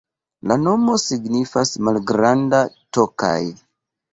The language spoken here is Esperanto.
La nomo signifas: malgranda Tokaj.